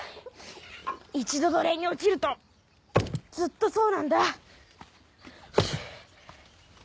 一度奴隷に落ちるとずっとそうなんだ。